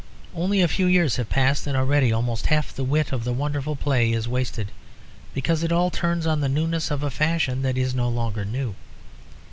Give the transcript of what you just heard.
Only a few years have passed and already almost half the wit of that wonderful play is wasted, because it all turns on the newness of a fashion that is no longer new.